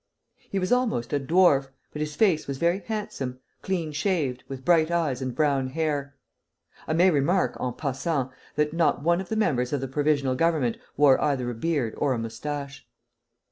He was almost a dwarf, but his face was very handsome, clean shaved, with bright eyes and brown hair. I may remark en passant that not one of the members of the Provisional Government wore either a beard or a moustache.